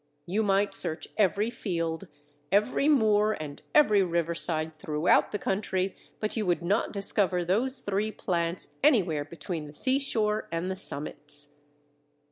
You might search every field, every moor, and every riverside throughout the country, but you would not discover those three plants anywhere between the seashore and the summits.